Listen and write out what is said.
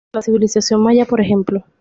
La civilización Maya, por ejemplo.